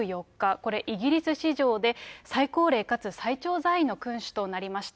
これ、イギリス史上で最高齢かつ最長在位の君主となりました。